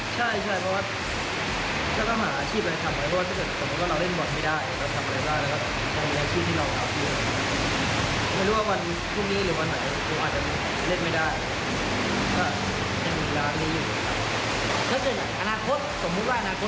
ใช่เพราะว่าถ้าต้องหาอาชีพอะไรทำไว้ว่าถ้าเกิดสมมุติว่าเราเล่นบอลไม่ได้